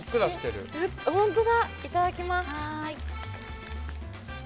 いただきます。